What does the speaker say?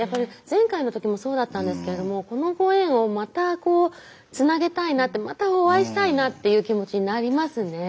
前回の時もそうだったんですけれどもこのご縁をまたこうつなげたいなってまたお会いしたいなっていう気持ちになりますね。